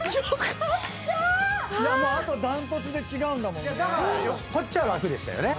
あと断トツで違うんだもんね。